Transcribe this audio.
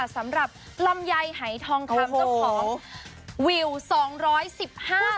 สำหรับลำไยหายทองคำเจ้าของวิวสองร้อยสิบห้า